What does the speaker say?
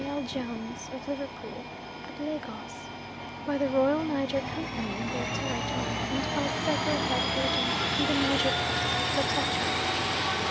L. Jones of Liverpool, at Lagos; by the Royal Niger Company in their territory, and by several head Agents in the Niger Coast Protectorate.